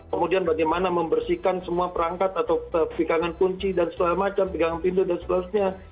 kemudian bagaimana membersihkan semua perangkat atau pegangan kunci dan segala macam pegangan pintu dan sebagainya